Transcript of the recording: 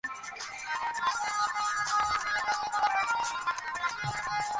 তদানীন্তনকালে স্থানীয় সংবাদপত্রে স্বামীজীর সংবাদগুলি কিভাবে প্রকাশিত ও পরিবেশিত হইয়াছিল, তাহাই এখানে লক্ষণীয়।